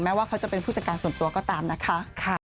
ว่าเขาจะเป็นผู้จัดการส่วนตัวก็ตามนะคะ